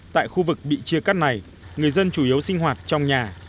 tại khu vực bị chia cắt này người dân chủ yếu sinh hoạt trong nhà